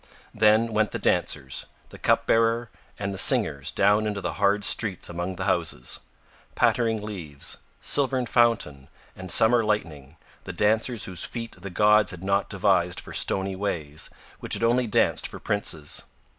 Then went the dancers, the cupbearer and the singers down into the hard streets among the houses, Pattering Leaves, Silvern Fountain and Summer Lightning, the dancers whose feet the gods had not devised for stony ways, which had only danced for princes.